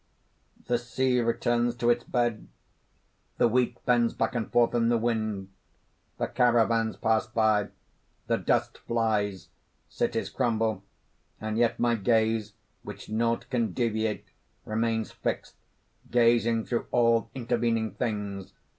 "The sea returns to its bed; the wheat bends back and forth in the wind; the caravans pass by; the dust flies; cities crumble; and yet my gaze, which naught can deviate, remains fixed, gazing through all intervening things, upon a horizon that none may reach."